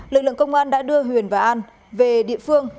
lực lượng công an đã đưa huyền và an về địa phương